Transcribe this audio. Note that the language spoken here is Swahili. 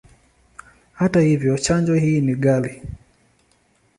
Hata hivyo, chanjo hii ni ghali.